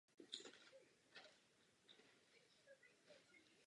Jaký druh změn potřebujeme?